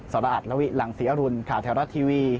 สราอัตรรวิหลังศรีอรุณขาวแทรวรัตท์ทีวี